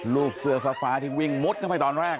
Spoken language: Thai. ลูกเสื้อฟ้าที่วิ่งมุดเข้าไปตอนแรก